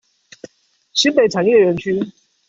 新北產業園區